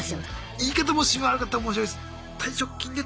言い方もし悪かったら申し訳ないです。